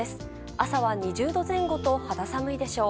朝は２０度前後と肌寒いでしょう。